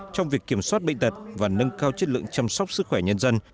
trong việc kiểm soát bệnh tật và nâng cao chất lượng chăm sóc sức khỏe nhân dân